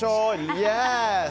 イエス！